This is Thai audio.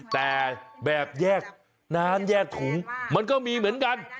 แต่แบบแยกน้ำแยกถุงมันก็มีเหมือนกัน